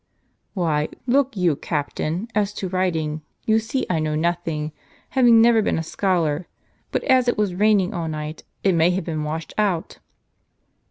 "Why, look you, captain, as to writing, you see I know nothing, having never been a scholar ; but as it was raining all night, it may have been washed out."